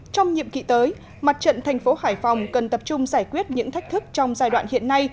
trong nhiệm kỳ tới mặt trận thành phố hải phòng cần tập trung giải quyết những thách thức trong giai đoạn hiện nay